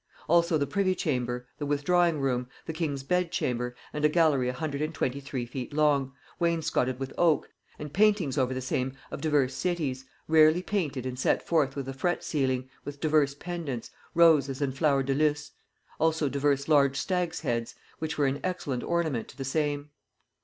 Also the privy chamber, the withdrawing room, the king's bed chamber, and a gallery 123 feet long, 'wainscoted with oak, and paintings over the same of divers cities, rarely painted and set forth with a fret ceiling, with divers pendants, roses and flower de luces; also divers large stags heads, which were an excellent ornament to the same.'